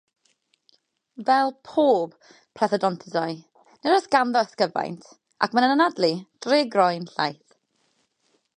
Fel pob plethodontidae, nid oes ganddo ysgyfaint ac mae'n anadlu drwy ei groen llaith.